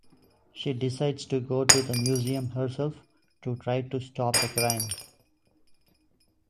She decides to go to the museum herself to try to stop the crime.